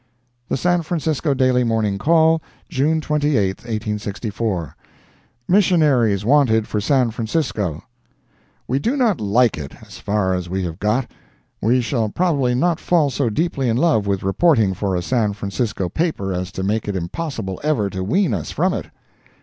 The San Francisco Daily Morning Call, June 28, 1864 MISSIONARIES WANTED FOR SAN FRANCISCO We do not like it, as far as we have got. We shall probably not fall so deeply in love with reporting for a San Francisco paper as to make it impossible ever to wean us from it.